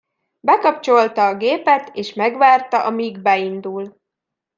Bekapcsolta a gépet és megvárta, amíg beindul.